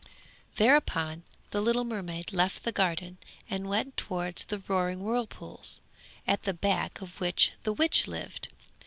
Thereupon the little mermaid left the garden and went towards the roaring whirlpools at the back of which the witch lived.